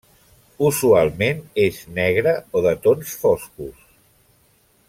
Usualment és negra o de tons foscos.